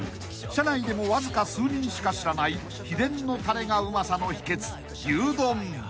［社内でもわずか数人しか知らない秘伝のたれがうまさの秘訣］